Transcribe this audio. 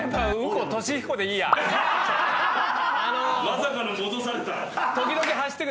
まさかの戻された。